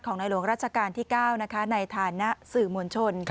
ของนายหลวงราชการที่๙นะคะในฐานนะสื่อมวลชน